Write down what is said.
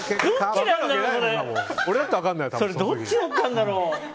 それ、どっちだったんだろう？